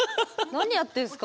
何やってんすか。